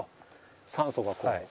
酸素がこう。